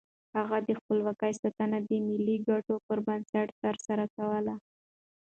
هغه د خپلواکۍ ساتنه د ملي ګټو پر بنسټ ترسره کوله.